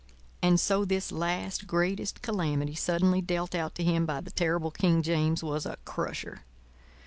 And so this last greatest calamity suddenly dealt out to him by the terrible King James was a crusher.